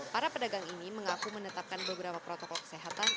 para pedagang ini mengaku menetapkan beberapa protokol kesehatan